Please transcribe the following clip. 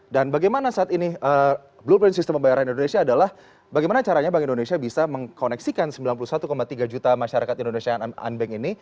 dan bagaimana saat ini blueprint sistem pembayaran indonesia adalah bagaimana caranya bank indonesia bisa mengkoneksikan sembilan puluh satu tiga juta masyarakat indonesia yang unbank ini